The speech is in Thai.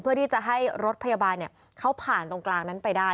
เพื่อที่จะให้รถพยาบาลเขาผ่านตรงกลางนั้นไปได้